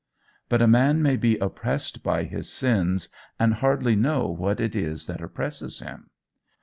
"But a man may be oppressed by his sins, and hardly know what it is that oppresses him.